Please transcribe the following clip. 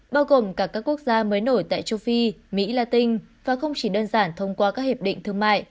bao gồm cả các quốc gia mới nổi tại châu phi mỹ latin và không chỉ đơn giản thông qua các hiệp định thương mại